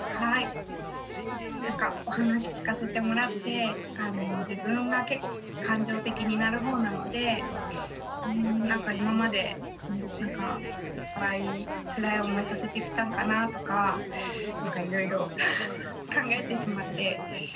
お話聞かせてもらって自分が結構感情的になるほうなので今までなんかいっぱいつらい思いさせてきたんかなとかなんかいろいろ考えてしまって。